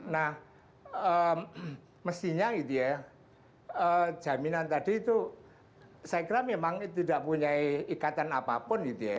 nah mestinya gitu ya jaminan tadi itu saya kira memang tidak punya ikatan apapun gitu ya